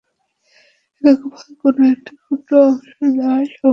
এককভাবে কোনো একটি ক্ষুদ্র অংশ নয়, সমগ্র প্রাণবৈচিত্র্য বাঁচিয়ে রাখাই আমাদের কর্তব্য।